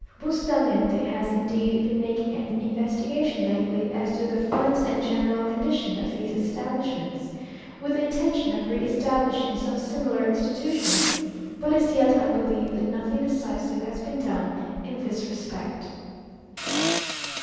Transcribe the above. Bustamante has indeed been making an investigation lately as to the funds and general condition of these establishments, with the intention of re establishing some similar institutions; but as yet I believe that nothing decisive has been done in this respect....